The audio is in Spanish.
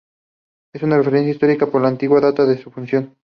Es una referencia histórica por la antigua data de su fundación.